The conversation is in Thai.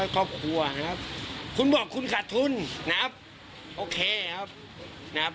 ครอบครัวนะครับคุณบอกคุณขาดทุนนะครับโอเคครับนะครับ